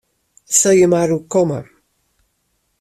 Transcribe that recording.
It sil jin mar oerkomme.